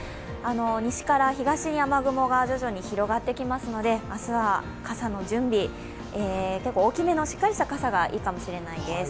西から東に雨雲が徐々に広がってきますので、明日は傘の準備、大きめのしっかりした傘がいいかもしれないです。